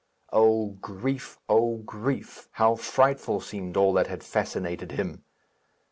O grief! O grief! How frightful seemed all that had fascinated him!